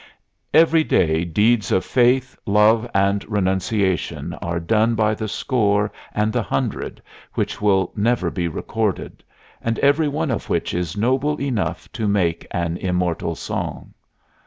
Every day deeds of faith, love and renunciation are done by the score and the hundred which will never be recorded, and every one of which is noble enough to make an immortal song.